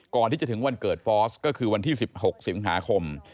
ก่อนที่จะถึงวันเกิดฟอสก็คือวันที่๑๖สิงหาคม